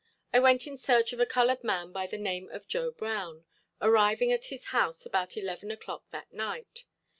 I went in search of a colored man by the name of Joe Brown, arriving at his house about eleven o'clock that night.